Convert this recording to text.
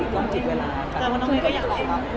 ต้องถูกเวลากัน